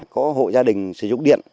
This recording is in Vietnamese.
có hội gia đình sử dụng điện